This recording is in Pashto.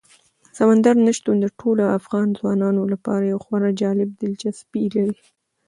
سمندر نه شتون د ټولو افغان ځوانانو لپاره یوه خورا جالب دلچسپي لري.